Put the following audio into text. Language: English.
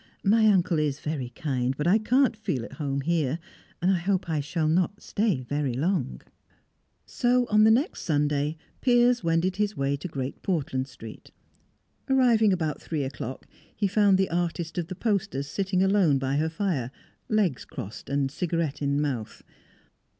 "My uncle is very kind, but I can't feel at home here, and I hope I shall not stay very long." So, on the next Sunday, Piers wended his way to Great Portland Street. Arriving about three o'clock, he found the artist of the posters sitting alone by her fire, legs crossed and cigarette in mouth.